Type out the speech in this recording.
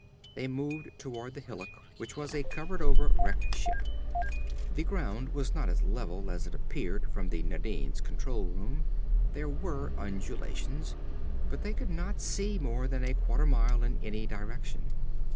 They moved toward the hillock which was a covered over wrecked ship. The ground was not as level as it appeared from the Nadine's control room. There were undulations. But they could not see more than a quarter mile in any direction.